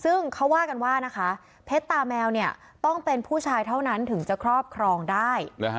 ซึ่งเขาว่ากันว่านะคะเพชรตาแมวเนี่ยต้องเป็นผู้ชายเท่านั้นถึงจะครอบครองได้